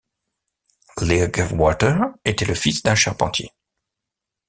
Leeghwater était le fils d'un charpentier.